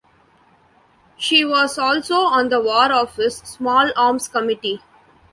He was also on the War Office Small Arms Committee.